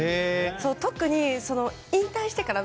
特に、引退してからは。